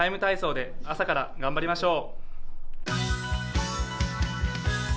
「ＴＩＭＥ，体操」で朝から頑張りましょう。